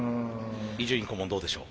伊集院顧問どうでしょう？